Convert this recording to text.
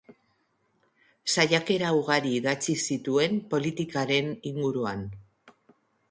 Saiakera ugari idatzi zituen politikaren inguruan.